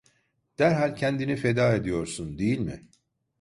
Derhal kendini feda ediyorsun, değil mi?